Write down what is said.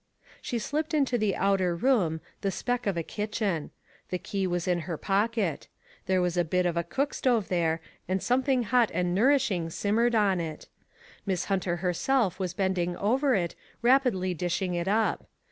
She slipped into the outer room, the speck of a kitchen. The key was in her pocket. There was a bit of a cookstove there, and something hot and nourishing simmered on it. Miss Hunter herself was bending over it, rapidly dishing it up.